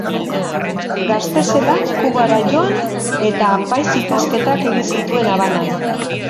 Gazte zela Kubara joan eta apaiz-ikasketak egin zituen Habanan.